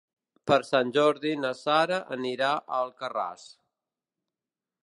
Per Sant Jordi na Sara anirà a Alcarràs.